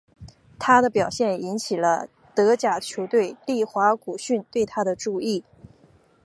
他的表现引起了德甲球队利华古逊对他的注意。